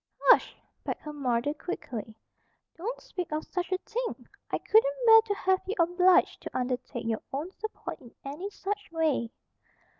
"Hush!" begged her mother quickly. "Don't speak of such a thing. I couldn't bear to have you obliged to undertake your own support in any such way.